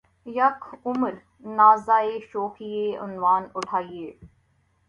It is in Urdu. یک عمر نازِ شوخیِ عنواں اٹھایئے